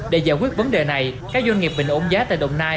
để giải quyết vấn đề này các doanh nghiệp bình ổn giá tại đồng nai